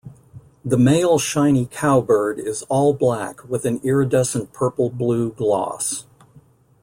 The male shiny cowbird is all black with an iridescent purple-blue gloss.